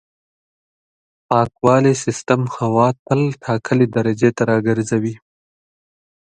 پاکوالي سیستم هوا تل ټاکلې درجې ته راګرځوي.